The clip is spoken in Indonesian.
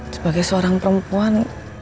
sebagai seorang perempuan